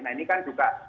nah ini kan juga